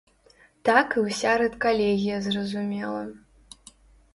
Так і ўся рэдкалегія зразумела.